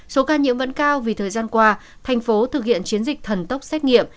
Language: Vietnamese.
số ca nhiễm vẫn cao vì thời gian qua thành phố thực hiện chiến dịch thần tốc xét nghiệm